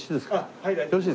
はい。